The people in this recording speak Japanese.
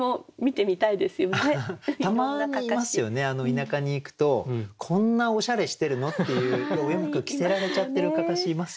田舎に行くとこんなおしゃれしてるの？っていうお洋服着せられちゃってる案山子いますよね。